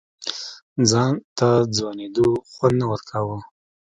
ځان ته ځوانېدو خوند نه ورکوه.